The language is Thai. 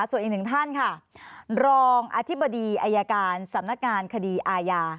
ส่วนอีกหนึ่งท่านค่ะรองอธิบดีอายการสำนักงานคดีอาญา